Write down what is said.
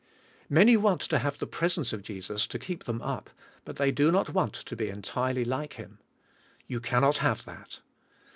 Many want to have the presence of Jesus to keep them up, but they do not want to be entirely like Him. You cannot hav^e that.